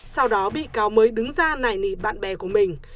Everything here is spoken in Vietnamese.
sau đó bị cáo mới đứng ra nảy nỉ bạn bè của mình